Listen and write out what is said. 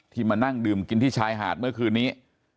มานั่งดื่มกินที่ชายหาดเมื่อคืนนี้